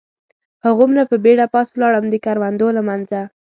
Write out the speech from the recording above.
هغومره په بېړه پاس ولاړم، د کروندو له منځه.